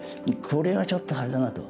これはちょっとあれだなと。